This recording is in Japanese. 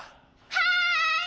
はい！